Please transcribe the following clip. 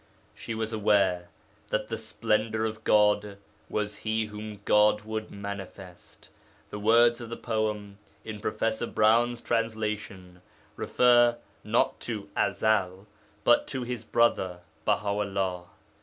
She was aware that 'The Splendour of God' was 'He whom God would manifest.' The words of the poem, in Prof. Browne's translation, refer, not to Ezel, but to his brother Baha 'ullah.